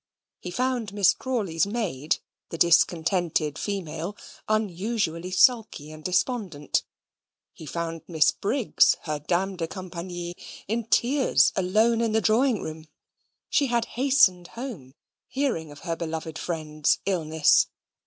He found Miss Crawley's maid (the discontented female) unusually sulky and despondent; he found Miss Briggs, her dame de compagnie, in tears alone in the drawing room. She had hastened home, hearing of her beloved friend's illness.